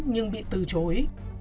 nhưng bị từ chối